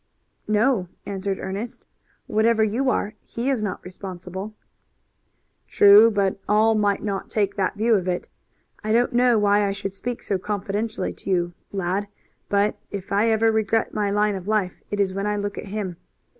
"No," answered Ernest. "Whatever you are he is not responsible." "True, but all might not take that view of it. I don't know why I should speak so confidentially to you, lad, but if I ever regret my line of life it is when I look at him.